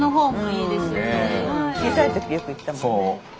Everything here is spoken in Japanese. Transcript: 小さいときよく行ったもんね。